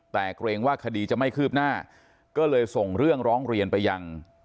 แต่เกรงว่าคดีจะไม่คืบหน้าก็เลยส่งเรื่องร้องเรียนไปยัง